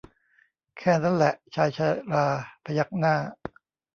แค่นั้นแหละชายชราพยักหน้า